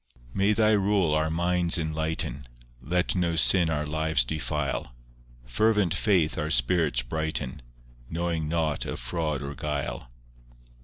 V May Thy rule our minds enlighten; Let no sin our lives defile; Fervent faith our spirits brighten, Knowing nought of fraud or guile.